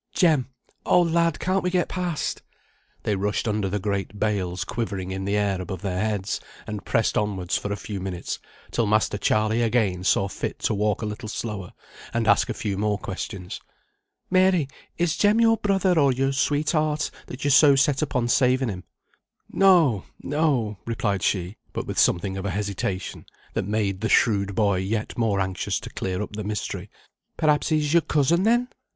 "Jem; oh, lad! can't we get past?" They rushed under the great bales quivering in the air above their heads and pressed onwards for a few minutes, till Master Charley again saw fit to walk a little slower, and ask a few more questions. "Mary, is Jem your brother, or your sweetheart, that you're so set upon saving him?" "No no," replied she, but with something of hesitation, that made the shrewd boy yet more anxious to clear up the mystery. "Perhaps he's your cousin, then?